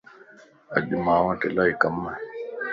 اڄ مانوٽ الائي ڪمَ